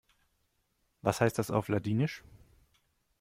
Was heißt das auf Ladinisch?